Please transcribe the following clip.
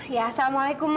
ya assalamualaikum ma